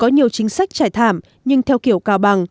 nhiều chính sách trải thảm nhưng theo kiểu cao bằng